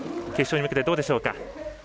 決勝に向けてどうでしょうか。